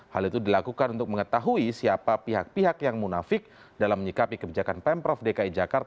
hal itu dilakukan untuk mengetahui siapa pihak pihak yang munafik dalam menyikapi kebijakan pemprov dki jakarta